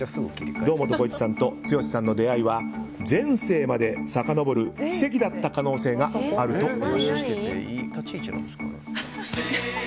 堂本光一さんと堂本剛さんは前世までさかのぼる奇跡だった可能性があるといいます。